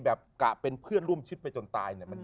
แบบกะเป็น๓๒๐ชิดเพชรไปจนตายเนี่ย